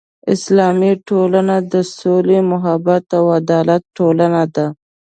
اسلامي ټولنه د سولې، محبت او عدالت ټولنه ده.